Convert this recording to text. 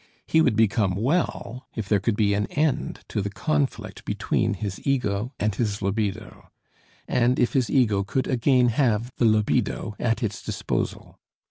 He would become well if there could be an end to the conflict between his ego and his libido, and if his ego could again have the libido at its disposal.